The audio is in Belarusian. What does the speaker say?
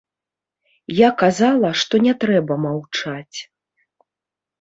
Я казала, што не трэба маўчаць.